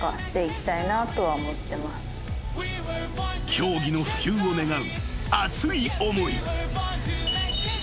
［競技の普及を願う熱い思い］